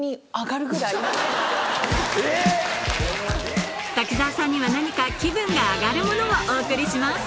・えっ⁉・滝沢さんには何か気分が上がるものをお送りします